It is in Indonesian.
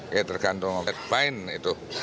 ya tergantung fine itu